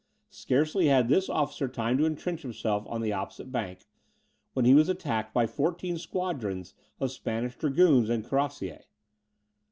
Scarcely had this officer time to entrench himself on the opposite bank, when he was attacked by 14 squadrons of Spanish dragoons and cuirassiers.